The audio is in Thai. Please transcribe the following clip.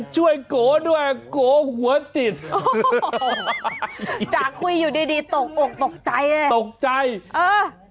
โกด้วยโกหัวติดจากคุยอยู่ดีดีตกอกตกใจอ่ะตกใจเออ